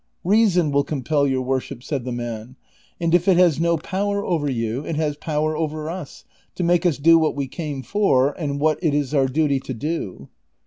" Reason will compel your worship," said the man, " and if it has no power over you, it has power over \\s, to make us do what we came for, and what it it our duty to do."